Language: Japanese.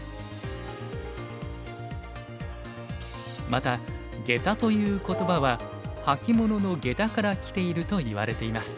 またゲタという言葉は履物の下駄からきているといわれています。